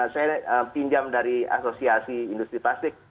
saya pinjam dari asosiasi industri plastik